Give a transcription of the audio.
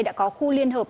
đã có khu liên hợp